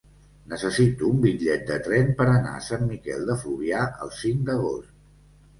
Necessito un bitllet de tren per anar a Sant Miquel de Fluvià el cinc d'agost.